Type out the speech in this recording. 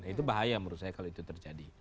nah itu bahaya menurut saya kalau itu terjadi